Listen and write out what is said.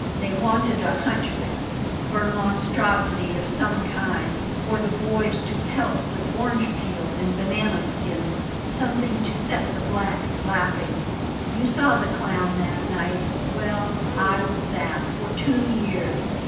"They wanted a hunchback, or monstrosity of some kind; for the boys to pelt with orange peel and banana skins something to set the blacks laughing You saw the clown that night well, I was that for two years.